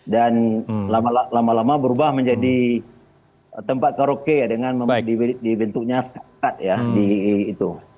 dan lama lama berubah menjadi tempat karaoke ya dengan membentuknya sekat sekat ya di itu